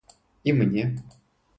И мне!